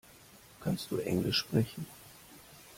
Kannst du englisch sprechen?